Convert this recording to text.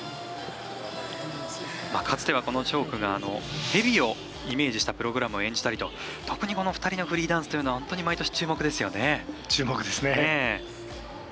かつてはチョークが蛇をイメージしたプログラムを演じたりと特にこの２人のフリーダンスというのは、毎年注目ですよね。